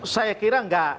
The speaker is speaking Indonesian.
saya kira enggak